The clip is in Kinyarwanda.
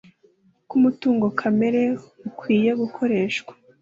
uko umutungo kamere ukwiriye gukoreshwa